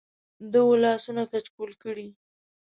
د وه لاسونه کچکول کړی